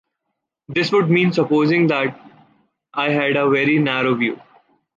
This would mean supposing that I had a very narrow view.